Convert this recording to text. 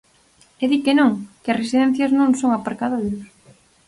E di que non, que as residencias no son aparcadoiros.